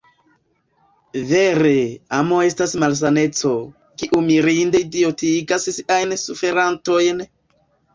Vere, amo estas malsaneco, kiu mirinde idiotigas siajn suferantojn!